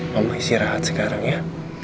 mama isi rahat sekarang ya